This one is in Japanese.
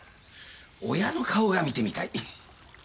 親の顔が見てみたい。